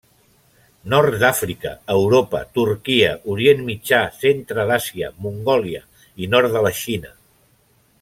Nord d'Àfrica, Europa, Turquia, Orient Mitjà, centre d'Àsia, Mongòlia i nord de la Xina.